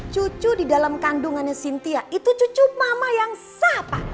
cucu di dalam kandungannya sintia itu cucu mama yang sapa